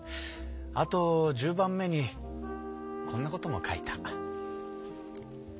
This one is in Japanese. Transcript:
あと１０番目にこんなことも書いた。